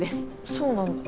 そうなんだ。